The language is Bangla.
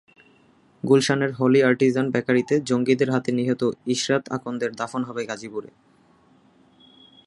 গুলশানের হলি আর্টিজান বেকারিতে জঙ্গিদের হাতে নিহত ইশরাত আকন্দের দাফন হবে গাজীপুরে।